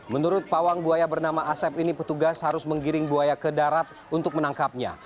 menurut pawang buaya bernama asep ini petugas harus menggiring buaya ke darat untuk menangkapnya